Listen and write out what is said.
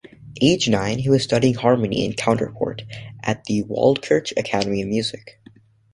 Aged nine, he was studying harmony and counterpoint at the Waldkirch academy of music.